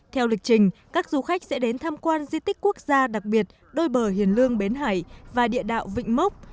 theo lịch trình các du khách sẽ đến tham quan di tích quốc gia đặc biệt đôi bờ hiền lương bến hải và địa đạo vịnh mốc